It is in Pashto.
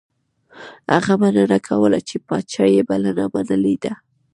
هغه مننه کوله چې پاچا یې بلنه منلې ده.